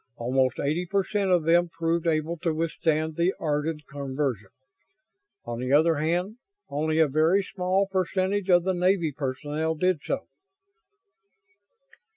Almost eighty per cent of them proved able to withstand the Ardan conversion. On the other hand, only a very small percentage of the Navy personnel did so."